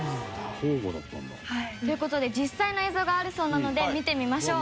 「交互だったんだ」という事で実際の映像があるそうなので見てみましょう。